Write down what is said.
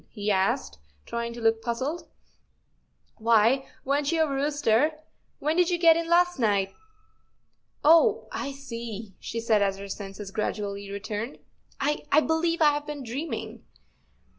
" he asked, trying to look puzzled. " Why, weren't you a rooster? When did you get in last night? Oh—I see," she said, as her senses gradually returned. " I—I—believe I have been dreaming."